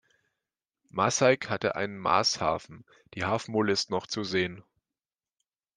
Maaseik hatte einen Maas-Hafen, die Hafenmole ist noch zu sehen.